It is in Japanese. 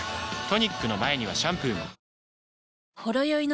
トニックの前にはシャンプーも「ほろよい」